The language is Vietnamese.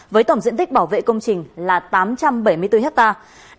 với tổng diện tích bảo vệ công trình là tám trăm bảy mươi bốn hectare